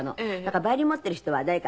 バイオリン持ってる人は誰かね